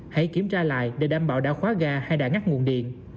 hãy kiểm tra lại để đảm bảo đã khóa ga hay đã ngắt nguồn điện